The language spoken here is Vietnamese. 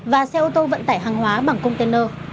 và xe ô tô vận tải hàng hóa bằng container